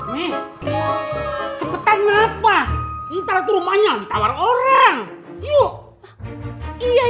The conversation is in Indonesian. wih cepetan apa minta rumahnya ditawar orang yuk iya